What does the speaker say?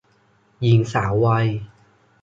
หญิงสาววัย